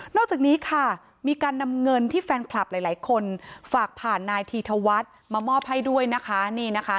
อกจากนี้ค่ะมีการนำเงินที่แฟนคลับหลายคนฝากผ่านนายธีธวัฒน์มามอบให้ด้วยนะคะนี่นะคะ